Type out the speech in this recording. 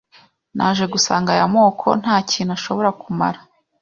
naje gusanga aya moko ntakintu ashobora kumara